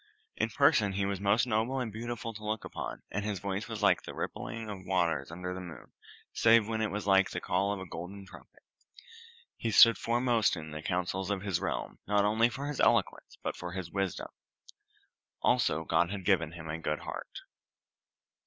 In person he was most noble and beautiful to look upon, and his voice was like the rippling of waters under the moon, save when it was like the call of a golden trumpet. He stood foremost in the counsels of his realm, not only for his eloquence, but for his wisdom. Also, God had given him a good heart.